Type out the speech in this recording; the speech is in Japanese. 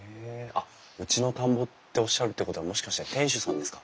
あっうちの田んぼっておっしゃるってことはもしかして店主さんですか？